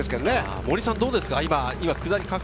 森さん、どうですか？